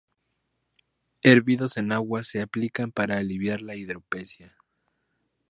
Hervidos en agua se aplican para aliviar la hidropesía.